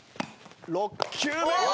６球目。